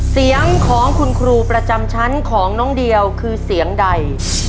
เสียงของคุณครูประจำชั้นของน้องเดียวคือเสียงใด